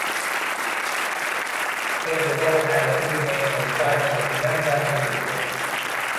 Philip the Bold had a tomb made for his wife in the Cosenza cathedral.